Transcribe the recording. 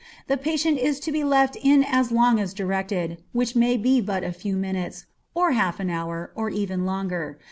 The patient is to be left in as long as directed, which may be but a few minutes, or half an hour, or even longer.